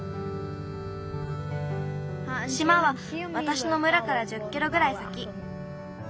しまはわたしの村から１０キロぐらい先。